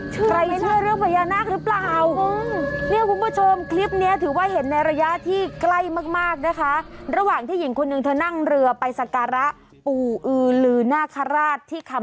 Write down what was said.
ใครเชื่อเรื่องพญานาคหรือเปล่า